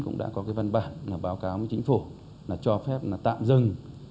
cũng đã có cái văn bản là báo cáo với chính phủ là cho phép là tạm dừng